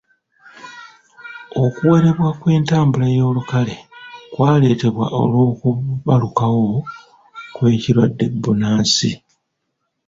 Okuwerebwa kw'entambula ey'olukale kwaleetebwa olw'okubalukawo kw'ekirwadde bbunansi.